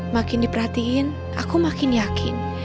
makin diperhatiin aku makin yakin